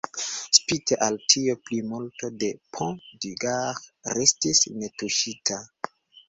Spite al tio, plimulto de Pont du Gard restis netuŝita.